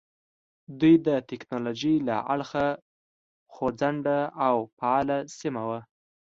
دوی د ټکنالوژۍ له اړخه خوځنده او فعاله سیمه وه.